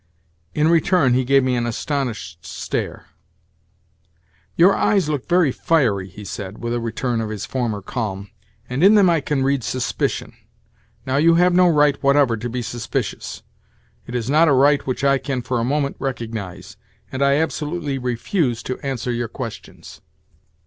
In return he gave me an astonished stare. "Your eyes look very fiery," he said with a return of his former calm, "and in them I can read suspicion. Now, you have no right whatever to be suspicious. It is not a right which I can for a moment recognise, and I absolutely refuse to answer your questions."